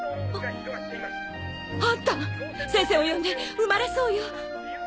あ⁉あんた先生を呼んで生まれそうよ。